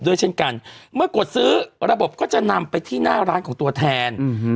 เช่นกันเมื่อกดซื้อระบบก็จะนำไปที่หน้าร้านของตัวแทน